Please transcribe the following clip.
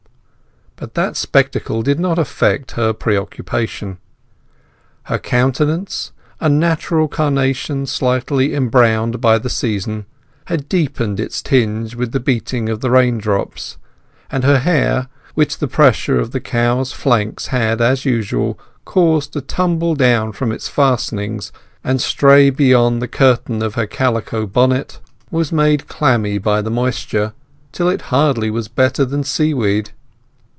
But that spectacle did not affect her preoccupation. Her countenance, a natural carnation slightly embrowned by the season, had deepened its tinge with the beating of the rain drops; and her hair, which the pressure of the cows' flanks had, as usual, caused to tumble down from its fastenings and stray beyond the curtain of her calico bonnet, was made clammy by the moisture till it hardly was better than seaweed.